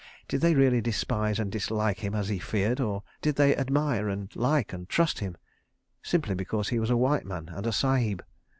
Did they really despise and dislike him as he feared, or did they admire and like and trust him—simply because he was a white man and a Sahib?